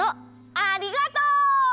ありがとう！